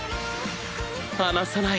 離さない。